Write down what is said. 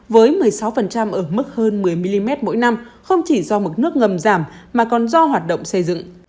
với một mươi sáu ở mức hơn một mươi mm mỗi năm không chỉ do mực nước ngầm giảm mà còn do hoạt động xây dựng